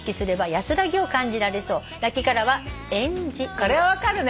これは分かるね。